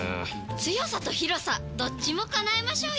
強さと広さどっちも叶えましょうよ！